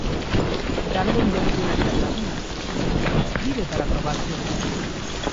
Brandon ya no tiene alternativas así que se inscribe para probar suerte.